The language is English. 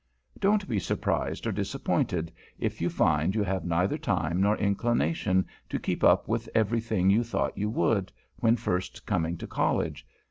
[Sidenote: SORTING OUT YOUR INTERESTS] Don't be surprised or disappointed, if you find you have neither time nor inclination to keep up with everything you thought you would, when first coming to College.